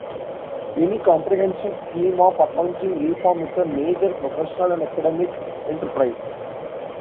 Any comprehensive scheme of accounting reform is a major professional and academic enterprise.